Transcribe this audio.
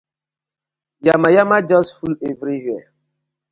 Yamayama just full everywhere.